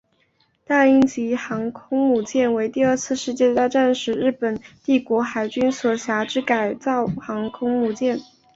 大鹰级航空母舰为第二次世界大战时日本帝国海军所辖之改造航空母舰。